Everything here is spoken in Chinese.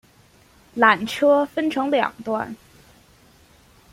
缆车分成两段